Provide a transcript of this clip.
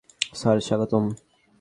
Sir, স্বাগতম।